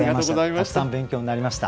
たくさん勉強になりました。